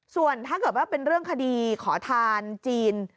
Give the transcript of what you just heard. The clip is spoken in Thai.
ส่วนถ้าเกิดว่าเป็นเรื่องคดีขอทานจีน